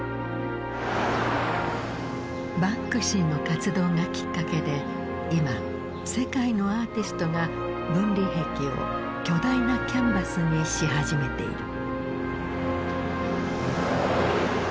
バンクシーの活動がきっかけで今世界のアーティストが分離壁を巨大なキャンバスにし始めている。